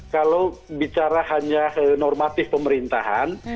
kalau bicara hanya normatif pemerintahan